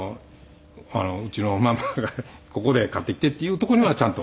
うちのママが「ここで買ってきて」っていう所にはちゃんと。